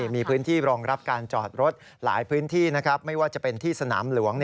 มีพื้นที่รองรับการจอดรถหลายพื้นที่ไม่ว่าจะเป็นที่สนามหลวง